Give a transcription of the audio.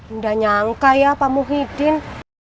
udah nyangka ya pak muhyiddin